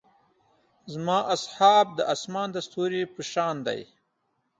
زما اصحاب د اسمان د ستورو پۀ شان دي.